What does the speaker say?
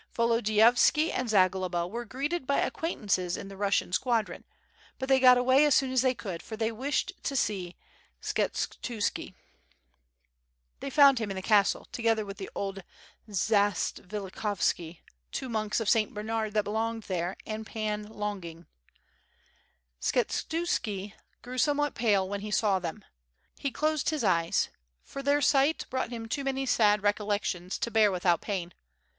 Volodiyovski and Zagloba were greeted by acquaintances in the Russian squadron, but they got away as soon as they could, for they wished to see Skshe tusla. 686 WITH FIRE AND SWORD. They found him in the castle, together with the old Zats vilikhovski, two monks of St. Bernard that belonged there, and Pan liongin. Skshetuski grew somewhat pale when he saw them. He closed his eyes, for their sight brought him too many sad recollections to bear without pain.